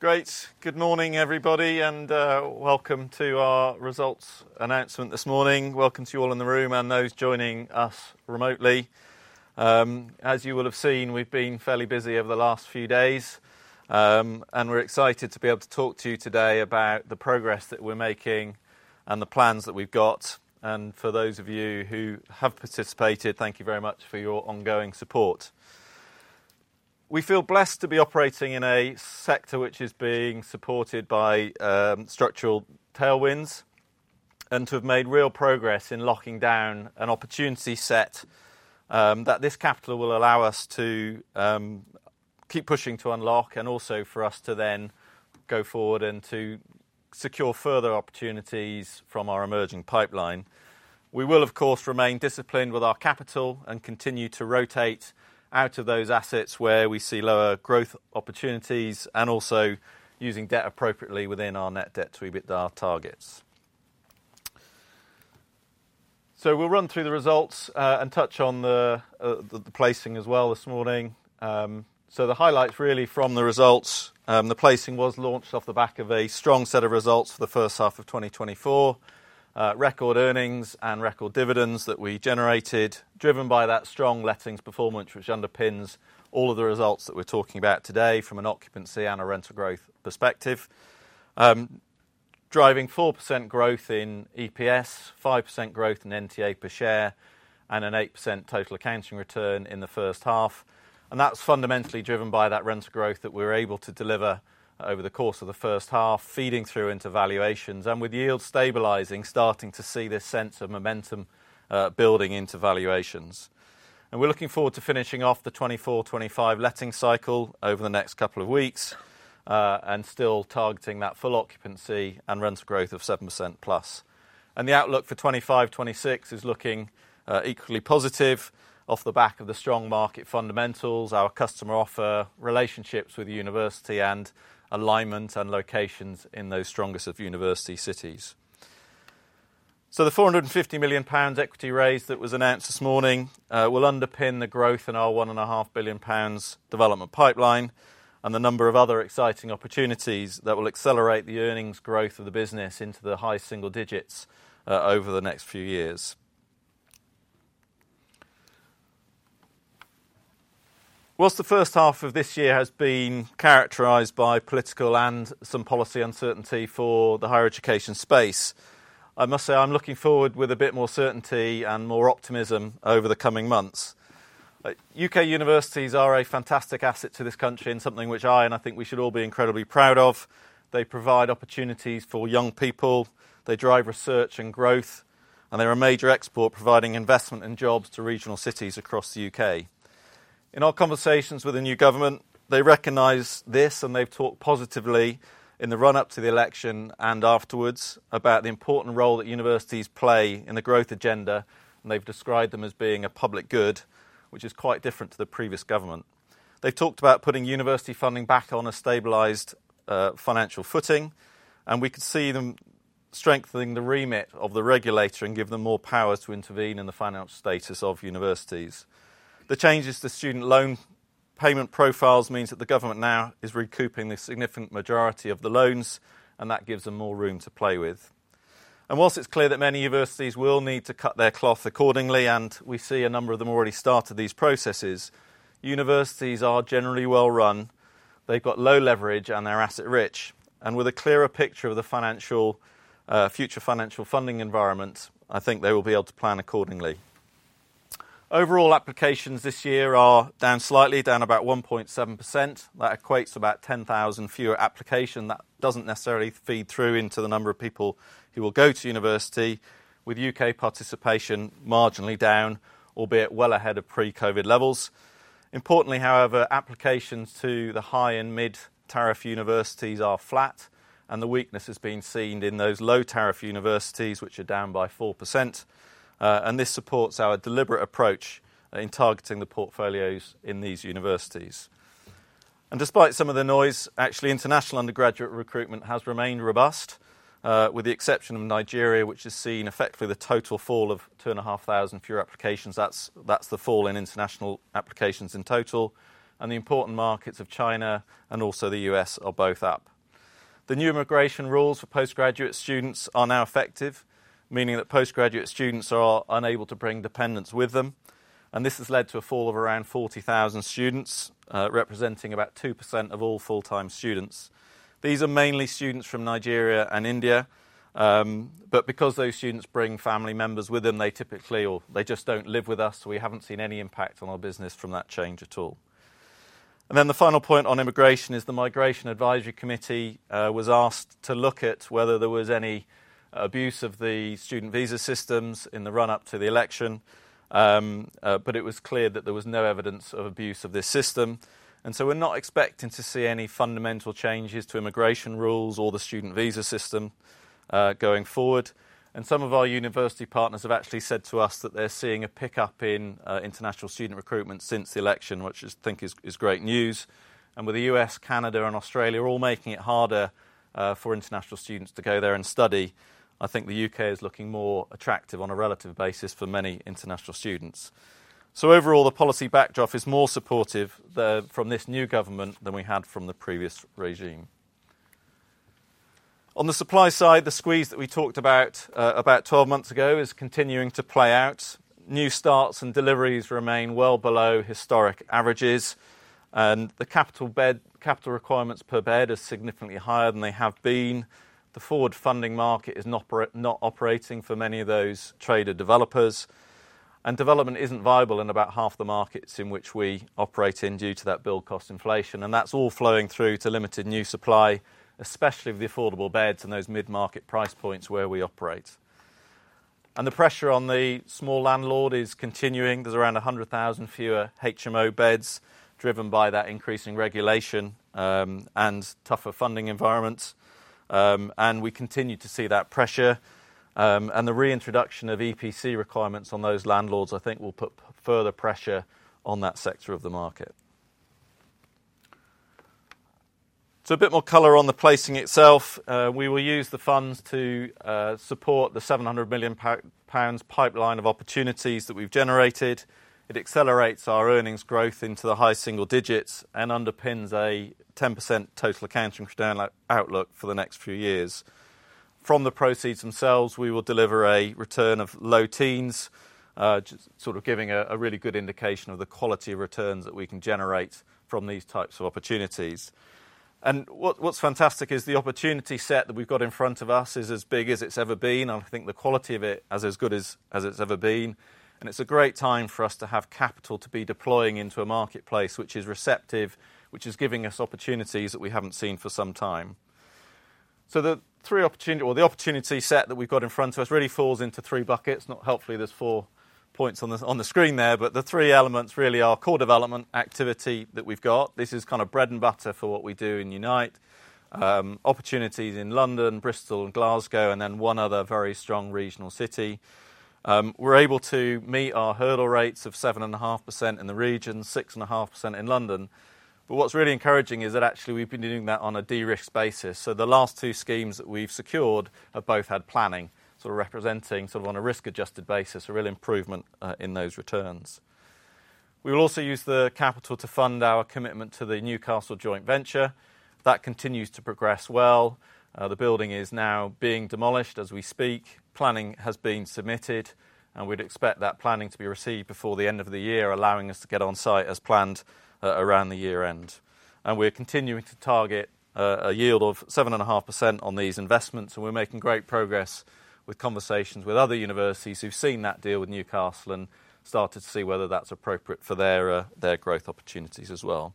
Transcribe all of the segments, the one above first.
Great. Good morning, everybody, and welcome to our results announcement this morning. Welcome to you all in the room and those joining us remotely. As you will have seen, we've been fairly busy over the last few days, and we're excited to be able to talk to you today about the progress that we're making and the plans that we've got. For those of you who have participated, thank you very much for your ongoing support. We feel blessed to be operating in a sector which is being supported by structural tailwinds, and to have made real progress in locking down an opportunity set that this capital will allow us to keep pushing to unlock, and also for us to then go forward and to secure further opportunities from our emerging pipeline. We will, of course, remain disciplined with our capital and continue to rotate out of those assets where we see lower growth opportunities, and also using debt appropriately within our net debt to EBITDA targets. So we'll run through the results, and touch on the placing as well this morning. So the highlights really from the results, the placing was launched off the back of a strong set of results for the first half of 2024. Record earnings and record dividends that we generated, driven by that strong lettings performance, which underpins all of the results that we're talking about today from an occupancy and a rental growth perspective. Driving 4% growth in EPS, 5% growth in NTA per share, and an 8% total accounting return in the first half. That's fundamentally driven by that rents growth that we were able to deliver over the course of the first half, feeding through into valuations. With yields stabilizing, starting to see this sense of momentum building into valuations. We're looking forward to finishing off the 2024-2025 letting cycle over the next couple of weeks, and still targeting that full occupancy and rents growth of 7%+. The outlook for 2025-26 is looking equally positive off the back of the strong market fundamentals, our customer offer, relationships with the university, and alignment and locations in those strongest of university cities. So the 450 million pounds equity raise that was announced this morning will underpin the growth in our 1.5 billion pounds development pipeline and the number of other exciting opportunities that will accelerate the earnings growth of the business into the high single digits over the next few years. While the first half of this year has been characterized by political and some policy uncertainty for the higher education space, I must say I'm looking forward with a bit more certainty and more optimism over the coming months. U.K. universities are a fantastic asset to this country and something which I, and I think we should all be incredibly proud of. They provide opportunities for young people, they drive research and growth, and they're a major export, providing investment and jobs to regional cities across the U.K. In our conversations with the new government, they recognize this, and they've talked positively in the run-up to the election and afterwards about the important role that universities play in the growth agenda, and they've described them as being a public good, which is quite different to the previous government. They've talked about putting university funding back on a stabilized, financial footing, and we could see them strengthening the remit of the regulator and give them more power to intervene in the financial status of universities. The changes to student loan payment profiles means that the government now is recouping the significant majority of the loans, and that gives them more room to play with. Whilst it's clear that many universities will need to cut their cloth accordingly, and we see a number of them already started these processes, universities are generally well-run. They've got low leverage and they're asset rich, and with a clearer picture of the financial, future financial funding environment, I think they will be able to plan accordingly. Overall, applications this year are down slightly, down about 1.7%. That equates to about 10,000 fewer applications. That doesn't necessarily feed through into the number of people who will go to university, with U.K. participation marginally down, albeit well ahead of pre-COVID levels. Importantly, however, applications to the high and mid-tariff universities are flat, and the weakness has been seen in those low-tariff universities, which are down by 4%. And this supports our deliberate approach in targeting the portfolios in these universities. And despite some of the noise, actually, international undergraduate recruitment has remained robust, with the exception of Nigeria, which has seen effectively the total fall of 2,500 fewer applications. That's the fall in international applications in total, and the important markets of China and also the US are both up. The new immigration rules for postgraduate students are now effective, meaning that postgraduate students are unable to bring dependents with them, and this has led to a fall of around 40,000 students, representing about 2% of all full-time students. These are mainly students from Nigeria and India, but because those students bring family members with them, they typically, or they just don't live with us, we haven't seen any impact on our business from that change at all. And then the final point on immigration is the Migration Advisory Committee was asked to look at whether there was any abuse of the student visa systems in the run-up to the election, but it was clear that there was no evidence of abuse of this system. And so we're not expecting to see any fundamental changes to immigration rules or the student visa system, going forward. And some of our university partners have actually said to us that they're seeing a pickup in international student recruitment since the election, which, I think, is great news. And with the U.S., Canada and Australia all making it harder for international students to go there and study, I think the U.K. is looking more attractive on a relative basis for many international students. So overall, the policy backdrop is more supportive from this new government than we had from the previous regime. On the supply side, the squeeze that we talked about about 12 months ago, is continuing to play out. New starts and deliveries remain well below historic averages, and the capital bed, capital requirements per bed are significantly higher than they have been. The forward funding market is not operating for many of those traded developers, and development isn't viable in about half the markets in which we operate in, due to that build cost inflation. And that's all flowing through to limited new supply, especially the affordable beds and those mid-market price points where we operate. And the pressure on the small landlord is continuing. There's around 100,000 fewer HMO beds, driven by that increasing regulation, and tougher funding environments. And we continue to see that pressure. And the reintroduction of EPC requirements on those landlords, I think, will put further pressure on that sector of the market. So a bit more color on the placing itself. We will use the funds to support the 700 million pounds pipeline of opportunities that we've generated. It accelerates our earnings growth into the high single digits and underpins a 10% total accounting return outlook for the next few years. From the proceeds themselves, we will deliver a return of low teens, just sort of giving a really good indication of the quality of returns that we can generate from these types of opportunities. And what's fantastic is the opportunity set that we've got in front of us is as big as it's ever been, and I think the quality of it is as good as it's ever been. And it's a great time for us to have capital to be deploying into a marketplace which is receptive, which is giving us opportunities that we haven't seen for some time. Well, the opportunity set that we've got in front of us really falls into three buckets. Not helpfully, there's four points on the screen there, but the three elements really are core development activity that we've got. This is kind of bread and butter for what we do in Unite. Opportunities in London, Bristol and Glasgow, and then one other very strong regional city. We're able to meet our hurdle rates of 7.5% in the region, 6.5% in London. But what's really encouraging is that actually we've been doing that on a de-risked basis. So the last two schemes that we've secured have both had planning, sort of representing, sort of on a risk-adjusted basis, a real improvement in those returns. We will also use the capital to fund our commitment to the Newcastle joint venture. That continues to progress well. The building is now being demolished as we speak. Planning has been submitted, and we'd expect that planning to be received before the end of the year, allowing us to get on site as planned around the year-end. And we're continuing to target a yield of 7.5% on these investments, and we're making great progress with conversations with other universities who've seen that deal with Newcastle and started to see whether that's appropriate for their growth opportunities as well.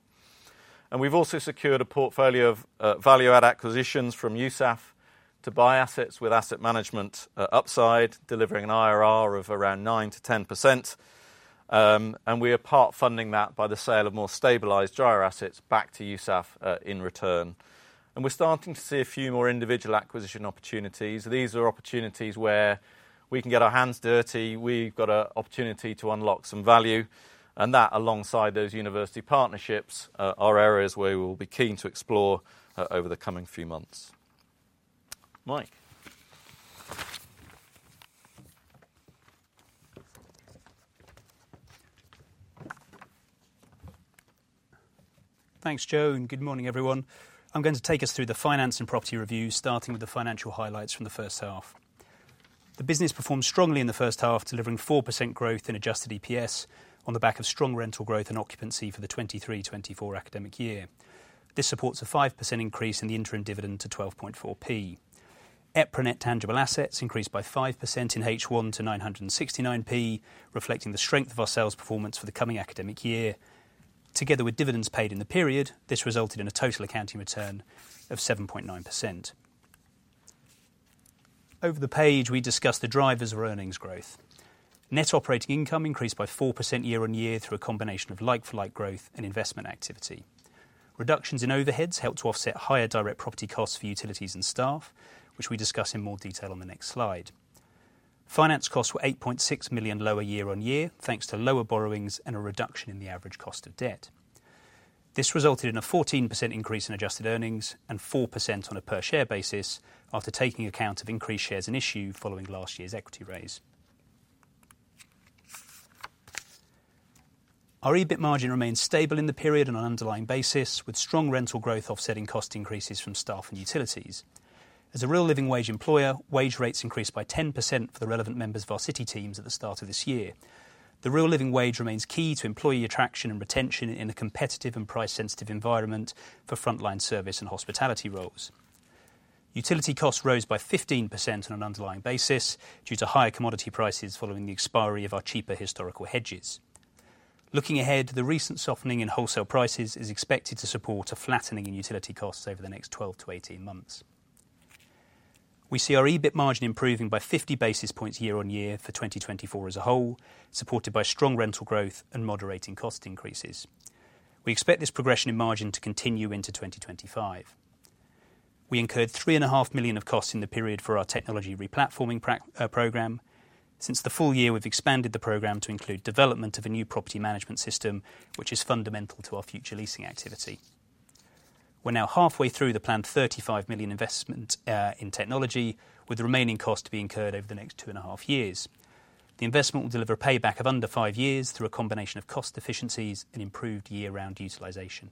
And we've also secured a portfolio of value-add acquisitions from USAF to buy assets with asset management upside, delivering an IRR of around 9%-10%. And we are part-funding that by the sale of more stabilized dryer assets back to USAF in return. And we're starting to see a few more individual acquisition opportunities. These are opportunities where we can get our hands dirty. We've got a opportunity to unlock some value, and that, alongside those university partnerships, are areas where we will be keen to explore over the coming few months. Mike? Thanks, Joe, and good morning, everyone. I'm going to take us through the finance and property review, starting with the financial highlights from the first half. The business performed strongly in the first half, delivering 4% growth in adjusted EPS on the back of strong rental growth and occupancy for the 2023/2024 academic year. This supports a 5% increase in the interim dividend to 12.4p. EPRA Net Tangible Assets increased by 5% in H1 to 969p, reflecting the strength of our sales performance for the coming academic year. Together with dividends paid in the period, this resulted in a total accounting return of 7.9%. Over the page, we discuss the drivers of earnings growth. Net operating income increased by 4% year-on-year through a combination of like-for-like growth and investment activity. Reductions in overheads helped to offset higher direct property costs for utilities and staff, which we discuss in more detail on the next slide. Finance costs were 8.6 million lower year-over-year, thanks to lower borrowings and a reduction in the average cost of debt. This resulted in a 14% increase in adjusted earnings and 4% on a per-share basis, after taking account of increased shares and issue following last year's equity raise. Our EBIT margin remained stable in the period on an underlying basis, with strong rental growth offsetting cost increases from staff and utilities. As a Real Living Wage employer, wage rates increased by 10% for the relevant members of our city teams at the start of this year. The Real Living Wage remains key to employee attraction and retention in a competitive and price-sensitive environment for frontline service and hospitality roles. Utility costs rose by 15% on an underlying basis due to higher commodity prices following the expiry of our cheaper historical hedges. Looking ahead, the recent softening in wholesale prices is expected to support a flattening in utility costs over the next 12-18 months. We see our EBIT margin improving by 50 basis points year on year for 2024 as a whole, supported by strong rental growth and moderating cost increases. We expect this progression in margin to continue into 2025. We incurred 3.5 million of costs in the period for our technology replatforming program. Since the full year, we've expanded the program to include development of a new property management system, which is fundamental to our future leasing activity. We're now halfway through the planned 35 million investment in technology, with the remaining cost to be incurred over the next 2.5 years. The investment will deliver a payback of under 5 years through a combination of cost efficiencies and improved year-round utilization.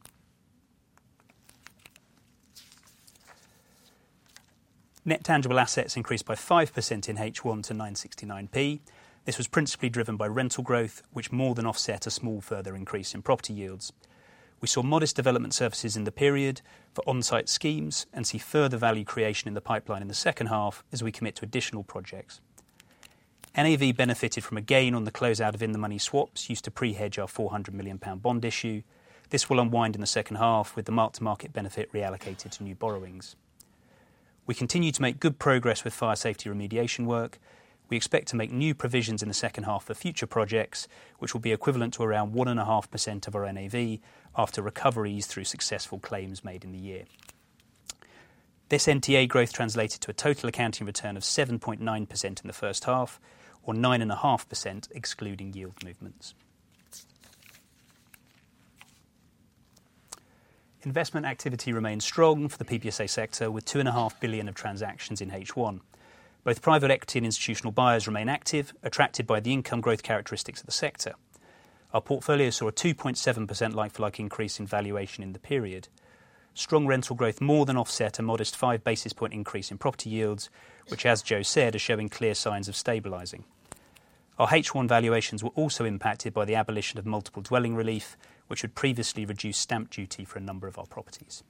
Net tangible assets increased by 5% in H1 to 969p. This was principally driven by rental growth, which more than offset a small further increase in property yields. We saw modest development services in the period for on-site schemes and see further value creation in the pipeline in the second half as we commit to additional projects. NAV benefited from a gain on the closeout of in-the-money swaps used to pre-hedge our 400 million pound bond issue. This will unwind in the second half, with the mark-to-market benefit reallocated to new borrowings. We continue to make good progress with fire safety remediation work. We expect to make new provisions in the second half for future projects, which will be equivalent to around 1.5% of our NAV after recoveries through successful claims made in the year. This NTA growth translated to a total accounting return of 7.9% in the first half, or 9.5%, excluding yield movements. Investment activity remains strong for the PBSA sector, with 2.5 billion of transactions in H1. Both private equity and institutional buyers remain active, attracted by the income growth characteristics of the sector. Our portfolio saw a 2.7% like-for-like increase in valuation in the period. Strong rental growth more than offset a modest five basis points increase in property yields, which, as Joe said, are showing clear signs of stabilizing. Our H1 valuations were also impacted by the abolition of Multiple Dwellings Relief, which had previously reduced stamp duty for a number of our properties.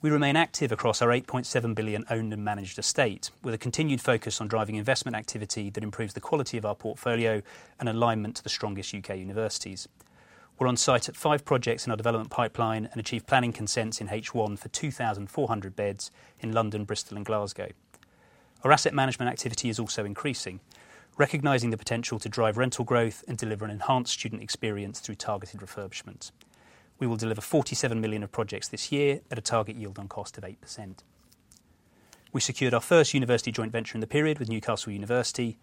We remain active across our 8.7 billion owned and managed estate, with a continued focus on driving investment activity that improves the quality of our portfolio and alignment to the strongest UK universities. We're on site at 5 projects in our development pipeline and achieved planning consents in H1 for 2,400 beds in London, Bristol, and Glasgow. Our asset management activity is also increasing, recognizing the potential to drive rental growth and deliver an enhanced student experience through targeted refurbishment. We will deliver 47 million of projects this year at a target yield on cost of 8%. We secured our first university joint venture in the period with Newcastle University.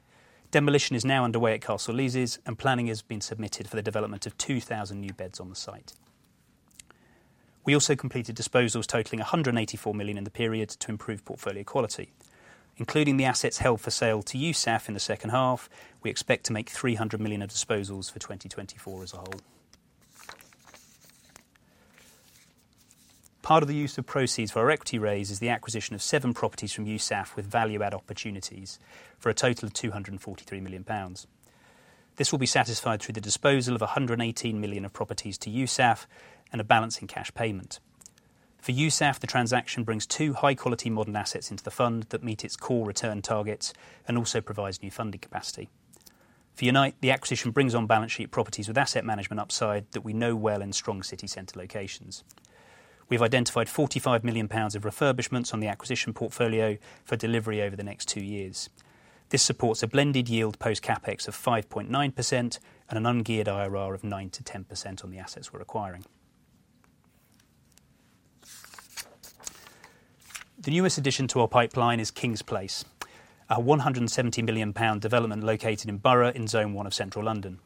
Demolition is now underway at Castle Leazes, and planning has been submitted for the development of 2,000 new beds on the site. We also completed disposals totaling 184 million in the period to improve portfolio quality. Including the assets held for sale to USAF in the second half, we expect to make 300 million of disposals for 2024 as a whole. Part of the use of proceeds for our equity raise is the acquisition of 7 properties from USAF, with value-add opportunities for a total of 243 million pounds. This will be satisfied through the disposal of 118 million of properties to USAF and a balance in cash payment. For USAF, the transaction brings two high-quality modern assets into the fund that meet its core return targets and also provides new funding capacity. For Unite, the acquisition brings on-balance sheet properties with asset management upside that we know well in strong city center locations. We've identified 45 million pounds of refurbishments on the acquisition portfolio for delivery over the next 2 years. This supports a blended yield post CapEx of 5.9% and an ungeared IRR of 9%-10% on the assets we're acquiring. The newest addition to our pipeline is Kings Place, our GBP 170 million development located in Borough, in Zone 1 of Central London.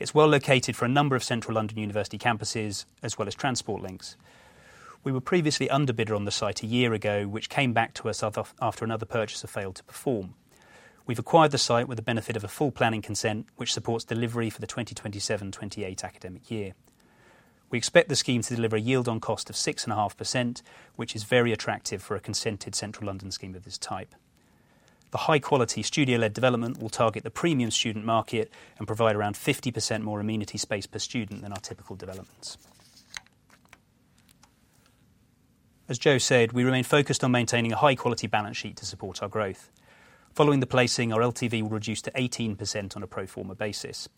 It's well-located for a number of Central London university campuses, as well as transport links. We were previously under bidder on the site 1 year ago, which came back to us after another purchaser failed to perform. We've acquired the site with the benefit of a full planning consent, which supports delivery for the 2027-28 academic year. We expect the scheme to deliver a yield on cost of 6.5%, which is very attractive for a consented Central London scheme of this type. The high-quality, studio-led development will target the premium student market and provide around 50% more amenity space per student than our typical developments. As Joe said, we remain focused on maintaining a high-quality balance sheet to support our growth. Following the placing, our LTV will reduce to 18% on a pro forma basis.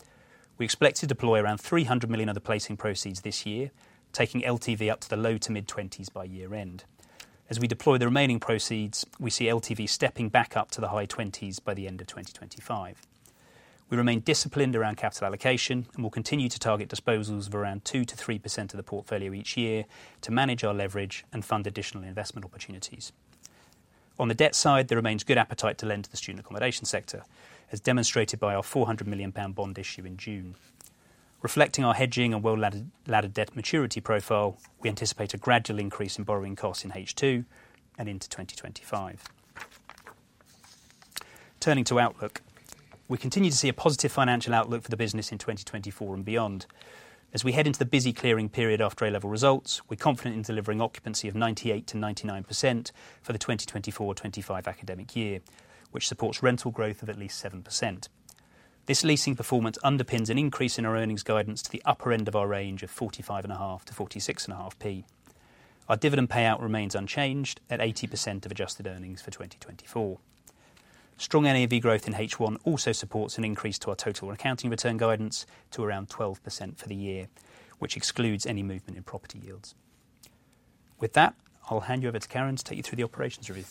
We expect to deploy around 300 million of the placing proceeds this year, taking LTV up to the low-to-mid-20s% by year-end. As we deploy the remaining proceeds, we see LTV stepping back up to the high 20s% by the end of 2025. We remain disciplined around capital allocation and will continue to target disposals of around 2%-3% of the portfolio each year to manage our leverage and fund additional investment opportunities. On the debt side, there remains good appetite to lend to the student accommodation sector, as demonstrated by our 400 million pound bond issue in June. Reflecting our hedging and well-laddered debt maturity profile, we anticipate a gradual increase in borrowing costs in H2 and into 2025. Turning to outlook. We continue to see a positive financial outlook for the business in 2024 and beyond. As we head into the busy clearing period after A-level results, we're confident in delivering occupancy of 98%-99% for the 2024-2025 academic year, which supports rental growth of at least 7%. This leasing performance underpins an increase in our earnings guidance to the upper end of our range of 45.5p-46.5p. Our dividend payout remains unchanged at 80% of adjusted earnings for 2024. Strong NAV growth in H1 also supports an increase to our total accounting return guidance to around 12% for the year, which excludes any movement in property yields. With that, I'll hand you over to Karan to take you through the operations review.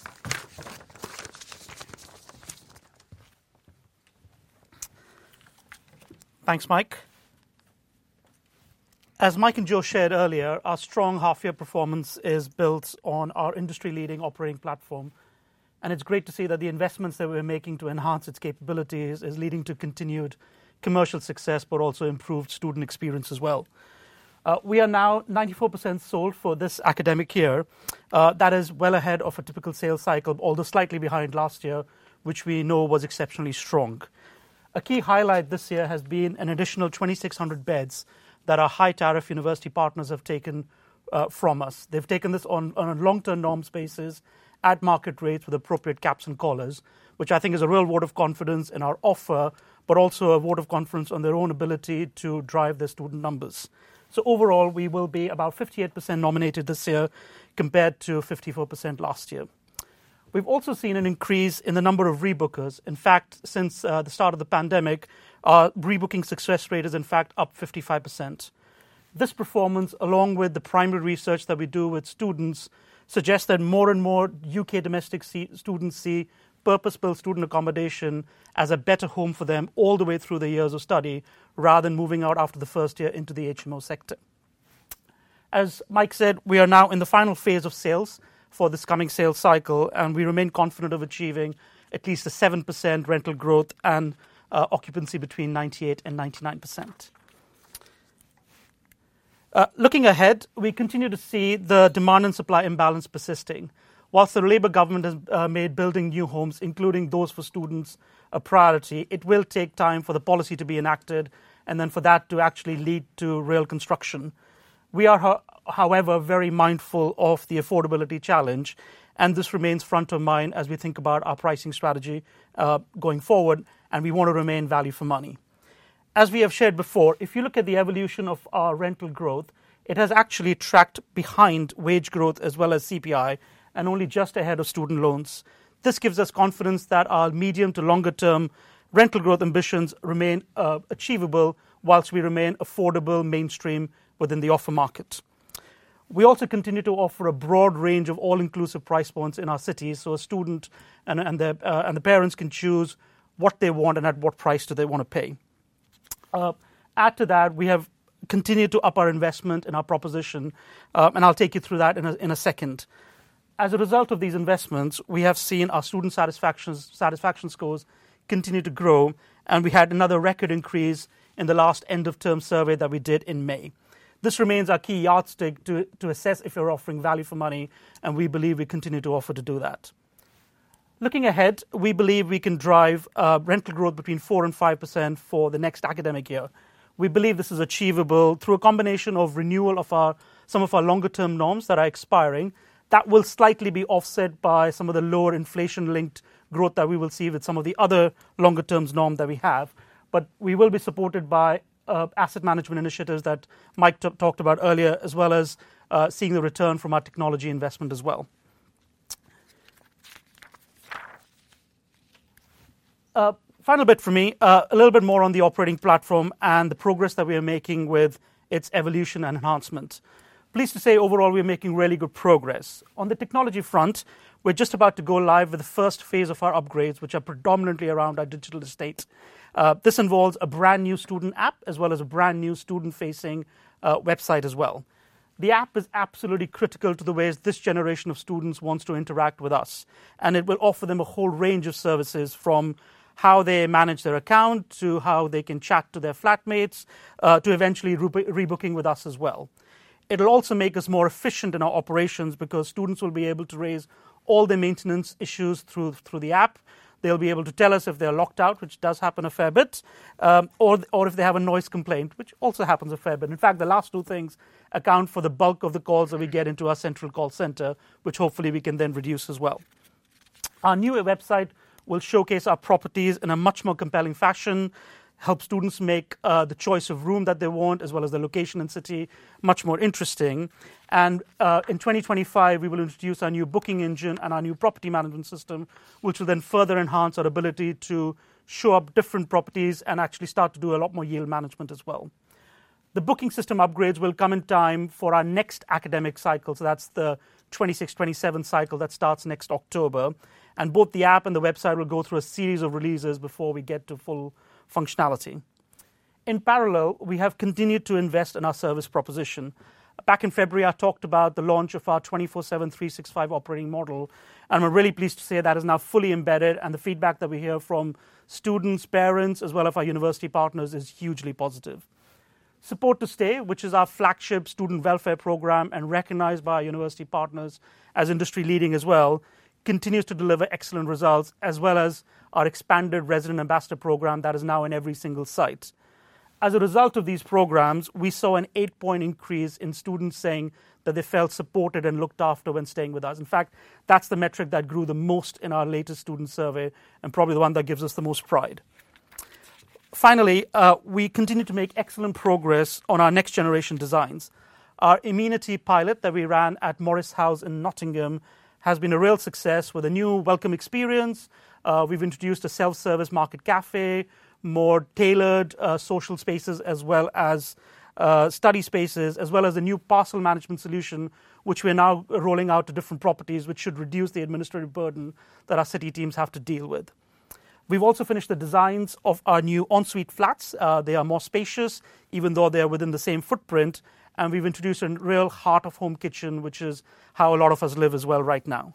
Thanks, Mike. As Mike and Joe shared earlier, our strong half-year performance is built on our industry-leading operating platform, and it's great to see that the investments that we're making to enhance its capabilities is leading to continued commercial success, but also improved student experience as well. We are now 94% sold for this academic year. That is well ahead of a typical sales cycle, although slightly behind last year, which we know was exceptionally strong. A key highlight this year has been an additional 2,600 beds that our high tariff university partners have taken from us. They've taken this on a long-term nom spaces at market rates with appropriate caps and collars, which I think is a real vote of confidence in our offer, but also a vote of confidence on their own ability to drive their student numbers. So overall, we will be about 58% nominated this year, compared to 54% last year. We've also seen an increase in the number of rebookers. In fact, since the start of the pandemic, our rebooking success rate is in fact up 55%. This performance, along with the primary research that we do with students, suggests that more and more U.K. domestic students see purpose-built student accommodation as a better home for them all the way through their years of study, rather than moving out after the first year into the HMO sector. As Mike said, we are now in the final phase of sales for this coming sales cycle, and we remain confident of achieving at least a 7% rental growth and occupancy between 98% and 99%. Looking ahead, we continue to see the demand and supply imbalance persisting. While the Labour government has made building new homes, including those for students, a priority, it will take time for the policy to be enacted and then for that to actually lead to real construction. We are, however, very mindful of the affordability challenge, and this remains front of mind as we think about our pricing strategy, going forward, and we want to remain value for money. As we have shared before, if you look at the evolution of our rental growth, it has actually tracked behind wage growth as well as CPI, and only just ahead of student loans. This gives us confidence that our medium to longer term rental growth ambitions remain, achievable while we remain affordable, mainstream within the offer market. We also continue to offer a broad range of all-inclusive price points in our cities, so a student and their parents can choose what they want and at what price do they wanna pay. Add to that, we have continued to up our investment and our proposition, and I'll take you through that in a second. As a result of these investments, we have seen our student satisfaction scores continue to grow, and we had another record increase in the last end-of-term survey that we did in May. This remains our key yardstick to assess if we're offering value for money, and we believe we continue to offer to do that. Looking ahead, we believe we can drive rental growth between 4% and 5% for the next academic year. We believe this is achievable through a combination of renewal of some of our longer-term noms that are expiring. That will slightly be offset by some of the lower inflation-linked growth that we will see with some of the other longer-term noms that we have. But we will be supported by asset management initiatives that Mike talked about earlier, as well as seeing the return from our technology investment as well. Final bit for me, a little bit more on the operating platform and the progress that we are making with its evolution and enhancement. Pleased to say, overall, we are making really good progress. On the technology front, we're just about to go live with the first phase of our upgrades, which are predominantly around our digital estate. This involves a brand-new student app, as well as a brand-new student-facing website as well. The app is absolutely critical to the ways this generation of students wants to interact with us, and it will offer them a whole range of services, from how they manage their account, to how they can chat to their flatmates, to eventually rebooking with us as well. It'll also make us more efficient in our operations because students will be able to raise all their maintenance issues through the app. They'll be able to tell us if they are locked out, which does happen a fair bit, or if they have a noise complaint, which also happens a fair bit. In fact, the last two things account for the bulk of the calls that we get into our central call center, which hopefully we can then reduce as well. Our newer website will showcase our properties in a much more compelling fashion, help students make the choice of room that they want, as well as the location and city, much more interesting. In 2025, we will introduce our new booking engine and our new property management system, which will then further enhance our ability to show up different properties and actually start to do a lot more yield management as well. The booking system upgrades will come in time for our next academic cycle, so that's the 2026-2027 cycle that starts next October, and both the app and the website will go through a series of releases before we get to full functionality. In parallel, we have continued to invest in our service proposition. Back in February, I talked about the launch of our 24/7, 365 operating model, and we're really pleased to say that is now fully embedded, and the feedback that we hear from students, parents, as well as our university partners, is hugely positive. Support to Stay, which is our flagship student welfare program and recognized by our university partners as industry-leading as well, continues to deliver excellent results, as well as our expanded Resident Ambassador program that is now in every single site. As a result of these programs, we saw an 8-point increase in students saying that they felt supported and looked after when staying with us. In fact, that's the metric that grew the most in our latest student survey, and probably the one that gives us the most pride. Finally, we continue to make excellent progress on our next-generation designs. Our Amenity pilot that we ran at Morris House in Nottingham has been a real success with a new welcome experience. We've introduced a self-service market café, more tailored social spaces, as well as study spaces, as well as a new parcel management solution, which we're now rolling out to different properties, which should reduce the administrative burden that our city teams have to deal with. We've also finished the designs of our new ensuite flats. They are more spacious, even though they are within the same footprint, and we've introduced a real heart-of-home kitchen, which is how a lot of us live as well right now.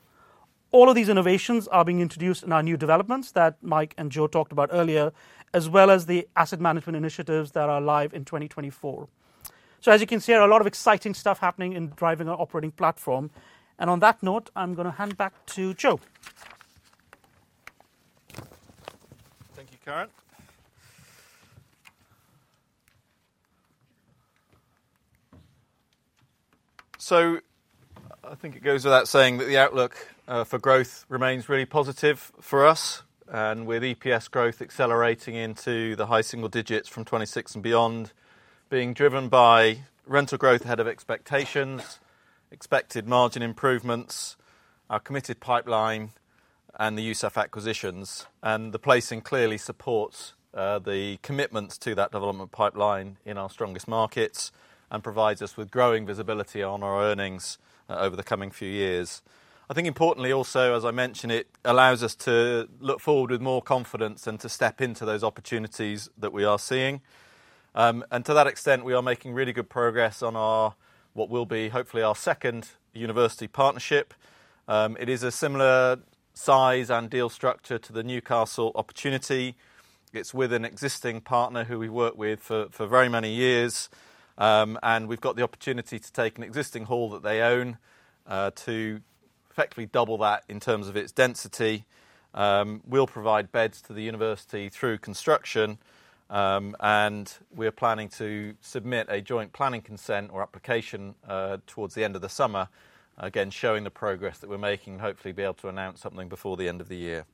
All of these innovations are being introduced in our new developments that Mike and Joe talked about earlier, as well as the asset management initiatives that are live in 2024. So as you can see, there are a lot of exciting stuff happening in driving our operating platform. And on that note, I'm gonna hand back to Joe. Thank you, Karan. So I think it goes without saying that the outlook for growth remains really positive for us, and with EPS growth accelerating into the high single digits from 26 and beyond, being driven by rental growth ahead of expectations, expected margin improvements, our committed pipeline, and the use of acquisitions. And the placing clearly supports the commitments to that development pipeline in our strongest markets and provides us with growing visibility on our earnings over the coming few years. I think importantly, also, as I mentioned, it allows us to look forward with more confidence and to step into those opportunities that we are seeing. And to that extent, we are making really good progress on our, what will be hopefully our second university partnership. It is a similar size and deal structure to the Newcastle opportunity. It's with an existing partner who we worked with for very many years, and we've got the opportunity to take an existing hall that they own to effectively double that in terms of its density. We'll provide beds to the university through construction, and we are planning to submit a joint planning consent or application towards the end of the summer, again, showing the progress that we're making, and hopefully be able to announce something before the end of the year.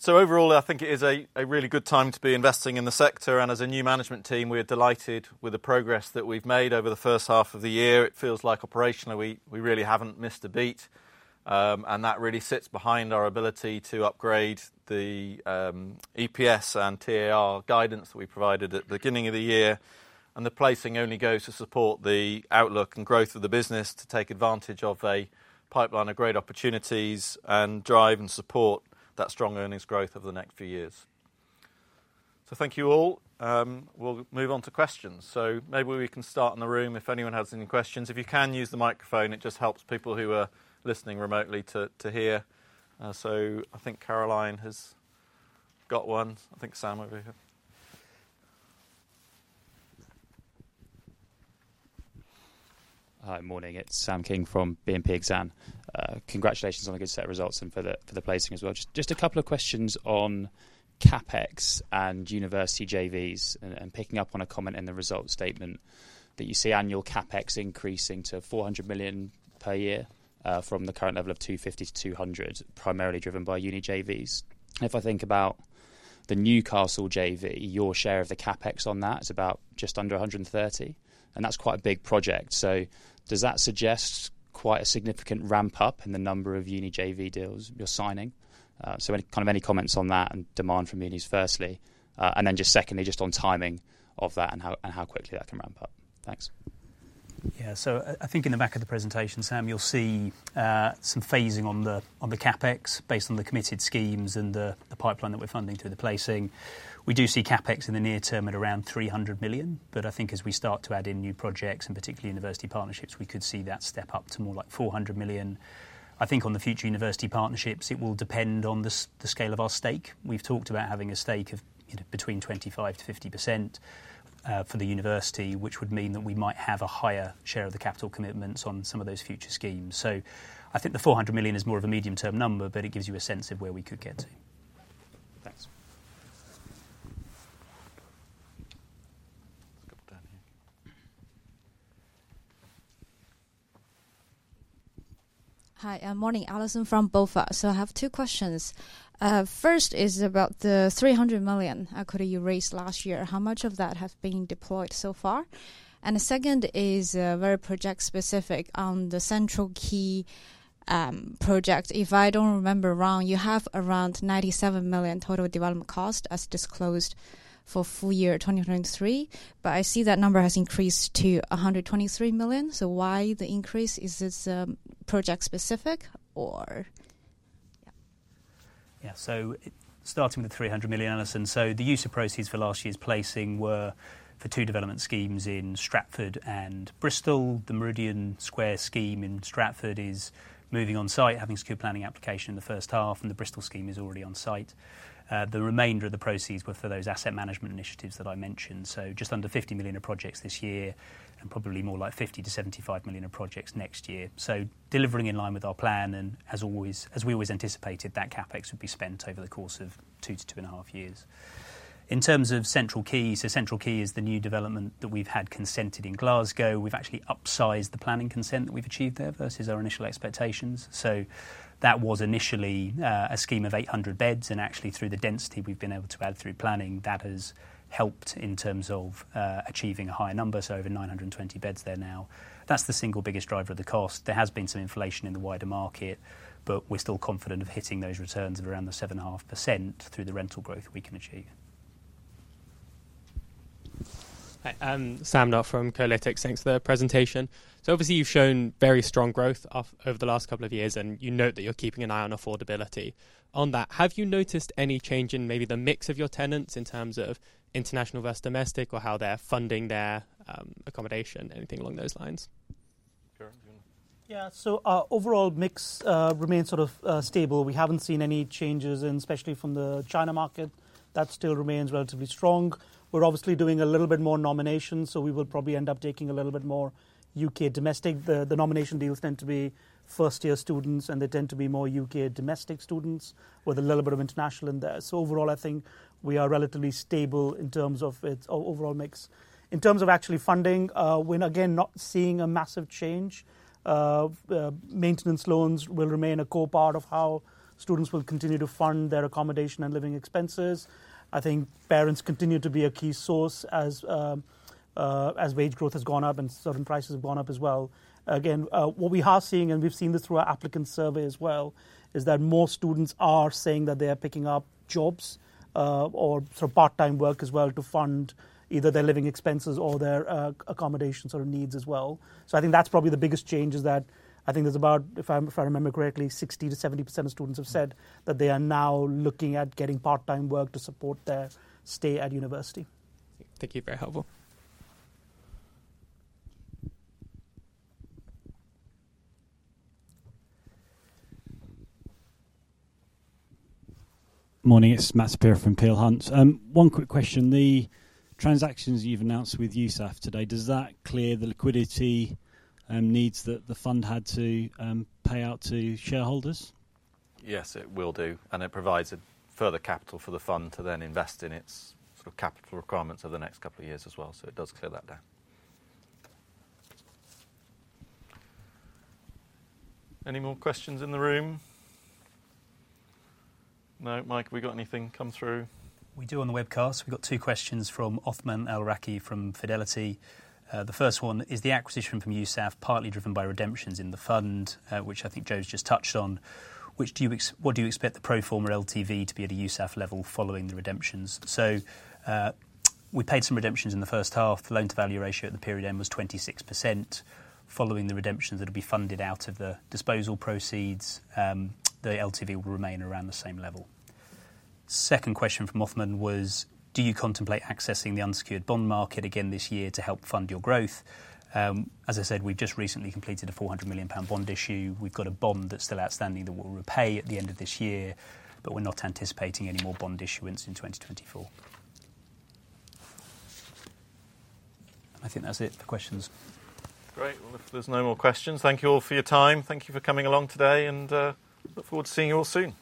So overall, I think it is a really good time to be investing in the sector, and as a new management team, we are delighted with the progress that we've made over the first half of the year. It feels like operationally, we really haven't missed a beat. That really sits behind our ability to upgrade the EPS and TAR guidance we provided at the beginning of the year, and the placing only goes to support the outlook and growth of the business to take advantage of a pipeline of great opportunities and drive and support that strong earnings growth over the next few years. So thank you all. We'll move on to questions. So maybe we can start in the room if anyone has any questions. If you can, use the microphone, it just helps people who are listening remotely to hear. So I think Caroline has got one. I think Sam, over here. Hi. Morning. It's Sam King from BNP Paribas Exane. Congratulations on a good set of results and for the placing as well. Just a couple of questions on CapEx and university JVs, picking up on a comment in the results statement, that you see annual CapEx increasing to 400 million per year from the current level of 200 million to GBP 250 million, primarily driven by uni JVs. If I think about the Newcastle JV, your share of the CapEx on that is about just under 130 million, and that's quite a big project. So does that suggest quite a significant ramp-up in the number of uni JV deals you're signing? Any kind of comments on that and demand from unis, firstly. And then just secondly, just on timing of that and how, and how quickly that can ramp up. Thanks. Yeah. So I think in the back of the presentation, Sam, you'll see some phasing on the CapEx, based on the committed schemes and the pipeline that we're funding through the placing. We do see CapEx in the near term at around 300 million, but I think as we start to add in new projects, and particularly university partnerships, we could see that step up to more like 400 million. I think on the future university partnerships, it will depend on the scale of our stake. We've talked about having a stake of, you know, between 25%-50%, for the university, which would mean that we might have a higher share of the capital commitments on some of those future schemes. I think the 400 million is more of a medium-term number, but it gives you a sense of where we could get to. Thanks. Couple down here. Hi, morning. Allison from BofA. So I have two questions. First is about the 300 million equity raise last year. How much of that has been deployed so far? And the second is, very project-specific. On the Central Quay project, if I don't remember wrong, you have around 97 million total development cost, as disclosed for full year 2023, but I see that number has increased to 123 million. So why the increase? Is this project-specific, or Yeah. So starting with 300 million, Allison, so the use of proceeds for last year's placing were for 2 development schemes in Stratford and Bristol. The Meridian Square scheme in Stratford is moving on-site, having secured planning application in the first half, and the Bristol scheme is already on-site. The remainder of the proceeds were for those asset management initiatives that I mentioned. So just under 50 million of projects this year, and probably more like 50 million-75 million of projects next year. So delivering in line with our plan, and as always, as we always anticipated, that CapEx would be spent over the course of 2 to 2.5 years. In terms of Central Quay, so Central Quay is the new development that we've had consented in Glasgow. We've actually upsized the planning consent that we've achieved there versus our initial expectations. So that was initially a scheme of 800 beds, and actually, through the density we've been able to add through planning, that has helped in terms of achieving a higher number, so over 920 beds there now. That's the single biggest driver of the cost. There has been some inflation in the wider market, but we're still confident of hitting those returns of around the 7.5% through the rental growth we can achieve. Hi, I'm Sam Duff from Collytics. Thanks for the presentation. So obviously, you've shown very strong growth over the last couple of years, and you note that you're keeping an eye on affordability. On that, have you noticed any change in maybe the mix of your tenants in terms of international versus domestic, or how they're funding their accommodation? Anything along those lines. Karan, do you want to Yeah, so our overall mix remains sort of stable. We haven't seen any changes, and especially from the China market. That still remains relatively strong. We're obviously doing a little bit more nominations, so we will probably end up taking a little bit more UK domestic. The nomination deals tend to be first-year students, and they tend to be more UK domestic students with a little bit of international in there. So overall, I think we are relatively stable in terms of its overall mix. In terms of actually funding, we're again not seeing a massive change. The maintenance loans will remain a core part of how students will continue to fund their accommodation and living expenses. I think parents continue to be a key source as wage growth has gone up and certain prices have gone up as well. Again, what we are seeing, and we've seen this through our applicant survey as well, is that more students are saying that they are picking up jobs, or sort of part-time work as well, to fund either their living expenses or their, accommodation sort of needs as well. So I think that's probably the biggest change, is that I think there's about, if I, if I remember correctly, 60%-70% of students have said that they are now looking at getting part-time work to support their stay at university. Thank you. Very helpful. Morning, it's Matthew Saperia from Peel Hunt. One quick question. The transactions you've announced with USAF today, does that clear the liquidity needs that the fund had to pay out to shareholders? Yes, it will do, and it provides further capital for the fund to then invest in its sort of capital requirements over the next couple of years as well. So it does clear that down. Any more questions in the room? No. Mike, have we got anything come through? We do on the webcast. We've got two questions from Othman Alraqi from Fidelity. The first one: "Is the acquisition from USAF partly driven by redemptions in the fund?" Which I think Joe's just touched on. "What do you expect the pro forma LTV to be at a USAF level following the redemptions?" We paid some redemptions in the first half. The loan-to-value ratio at the period end was 26%. Following the redemptions that'll be funded out of the disposal proceeds, the LTV will remain around the same level. Second question from Othman was: "Do you contemplate accessing the unsecured bond market again this year to help fund your growth?" As I said, we've just recently completed a 400 million pound bond issue. We've got a bond that's still outstanding that we'll repay at the end of this year, but we're not anticipating any more bond issuance in 2024. I think that's it for questions. Great. Well, if there's no more questions, thank you all for your time. Thank you for coming along today, and, look forward to seeing you all soon.